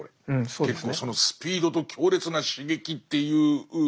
結構そのスピードと強烈な刺激っていうもの